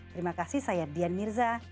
terima kasih saya dian mirza